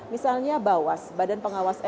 misalnya bawas badan pengawas